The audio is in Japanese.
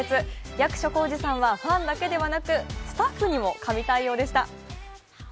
役所広司さんはファンだけではなくスタッフにも神対応でした。